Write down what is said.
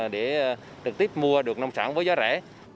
để trực tiếp mua được nông sản với giá rẻ